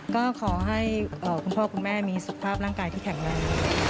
ก็ขอให้คุณพ่อคุณแม่มีสุขภาพร่างกายที่แข็งแรง